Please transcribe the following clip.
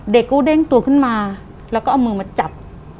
เด็กก็เด้งตัวขึ้นมาแล้วก็เอามือมาจับ